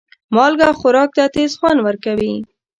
مالګه خوراک ته تیز خوند ورکوي.